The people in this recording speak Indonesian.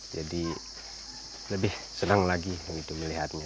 jadi lebih senang lagi gitu melihatnya